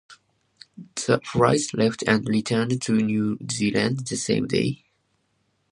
The flights left and returned to New Zealand the same day.